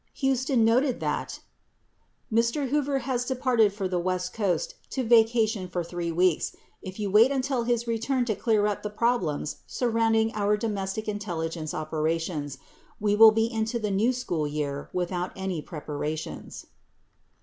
31 Huston noted that : "Mr. Hoover has departed for the west coast to vacation for 3 weeks. If you wait until his return to clear up the problems surrounding our domestic intelligence operations, we will be into the new school year without any preparations."